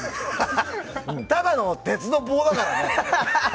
ただの鉄の棒だからね。